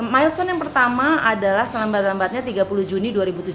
mileson yang pertama adalah selembat lambatnya tiga puluh juni dua ribu tujuh belas